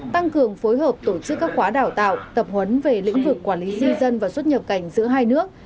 tăng cường phối hợp tổ chức các khóa đào tạo tập huấn về lĩnh vực quản lý di dân và xuất nhập cảnh giữa hai nước